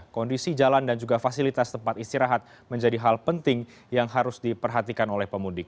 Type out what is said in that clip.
kondisi jalan dan juga fasilitas tempat istirahat menjadi hal penting yang harus diperhatikan oleh pemudik